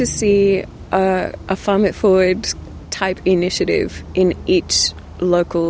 inisiatif yang berguna di setiap kawasan lokal